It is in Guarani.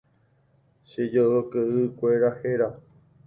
Che joykeʼykuéra héra.